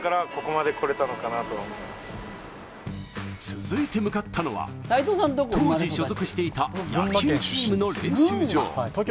続いて向かったのは、当時所属していた野球チームの練習場。